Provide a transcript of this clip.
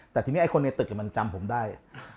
แต่ทีนี้ไอ้คนในตึกมันจำผมได้